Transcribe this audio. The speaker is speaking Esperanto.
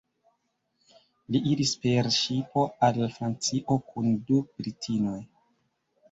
Li iris per ŝipo al Francio kun du britinoj.